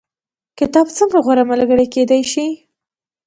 کتاب څنګه غوره ملګری کیدی شي؟